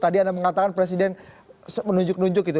tadi anda mengatakan presiden menunjuk nunjuk gitu